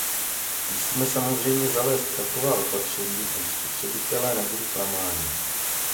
Musíme samozřejmě zavést taková opatření, aby spotřebitelé nebyli klamáni.